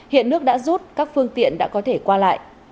hiện nước đã rút các phương tiện đã có thể qua lại